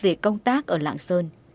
dũng đã làm công tác ở lạng sơn